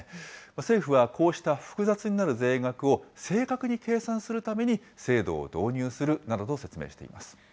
政府は、こうした複雑になる税額を正確に計算するために、制度を導入するなどと説明しています。